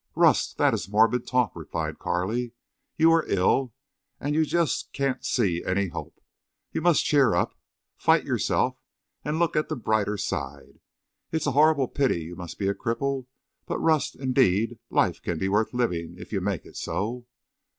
"Rust, that is morbid talk," replied Carley. "You're ill and you just can't see any hope. You must cheer up—fight yourself; and look at the brighter side. It's a horrible pity you must be a cripple, but Rust, indeed life can be worth living if you make it so."